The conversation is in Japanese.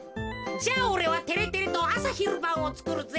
じゃあおれはてれてれとあさひるばんをつくるぜ。